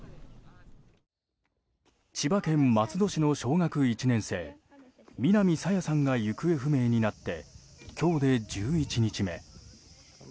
千葉県松戸市の小学１年生南朝芽さんが行方不明になって今日で１１日目。